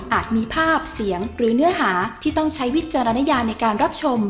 มีภาพเสียงหรือเนื้อหาที่ต้องใช้วิจารณญาในการรับชม